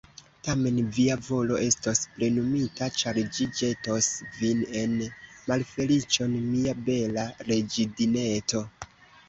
Tamen via volo estos plenumita, ĉar ĝi ĵetos vin en malfeliĉon, mia bela reĝidineto.